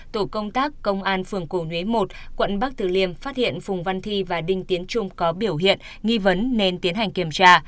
tổ công tác công an phường cổ nhuế một quận bắc tử liêm phát hiện phùng văn thi và đinh tiến trung có biểu hiện nghi vấn nên tiến hành kiểm tra